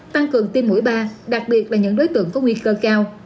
tăng cường tiêm mũi ba đặc biệt là những đối tượng có nguy cơ cao